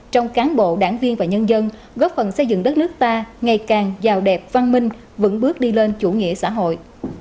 trong cán bộ đảng viên và nhân dân góp phần xây dựng đất nước ta ngày càng giàu đẹp văn minh vững bước đi lên chủ nghĩa xã hội